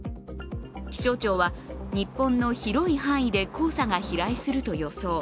気象庁は日本の広い範囲で黄砂が飛来すると予想。